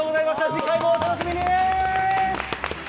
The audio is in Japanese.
次回もお楽しみに！